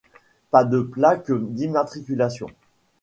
Pas de plaque d'immatriculation.